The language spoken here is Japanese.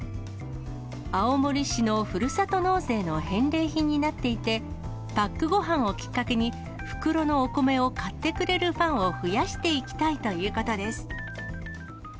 青森市のふるさと納税の返礼品になっていて、パックごはんをきっかけに袋のお米を買ってくれるファンを増やしていきたいということです。